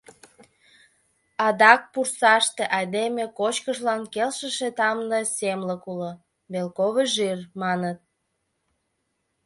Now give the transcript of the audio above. Адак пурсаште айдеме кочкышлан келшыше тамле семлык уло, «белковый жир» маныт.